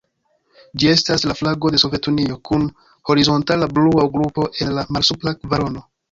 Ĝi estis la flago de Sovetunio, kun horizontala blua grupo en la malsupra kvarono.